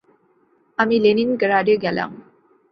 আমি লেনিনগ্রাডে গেলাম।